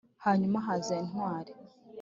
hanyuma haza intwari